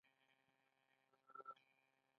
هو، ټول مهربانه دي